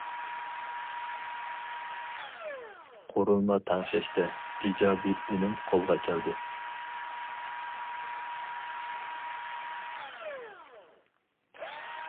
— قۇرۇلما تەڭشەشتە ئىجابىي ئۈنۈم قولغا كەلدى.